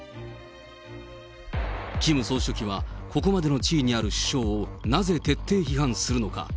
キム総書記はここまでの地位にある首相をなぜ徹底批判するのか。